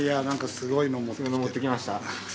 すごいの持ってきました。